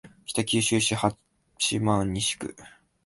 北九州市八幡西区